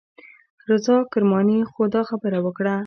رضا کرماني خو دا خبره وکړه.